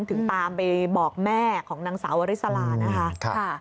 ถึงตามไปบอกแม่ของนางสาววริสลานะคะ